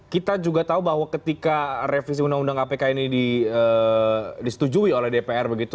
kita juga tahu bahwa ketika revisi undang undang kpk ini diadakan